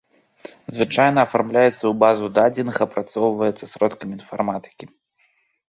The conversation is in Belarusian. Звычайна афармляецца ў базу дадзеных, апрацоўваецца сродкамі інфарматыкі.